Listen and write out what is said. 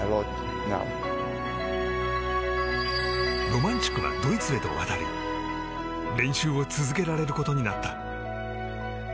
ロマンチュクはドイツへと渡り練習を続けられることになった。